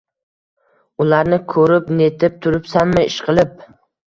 – Ularni ko‘rib-netib turibsanmi, ishqilib?